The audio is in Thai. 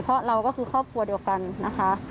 เพราะเราก็คือครอบครัวเดียวกันนะคะ